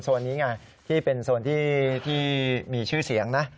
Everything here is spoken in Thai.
นี้ไงที่เป็นโซนที่มีชื่อเสียงนะ